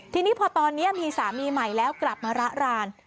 ทีนี้พอตอนนี้มีสามีใหม่แล้วกลับมาระราน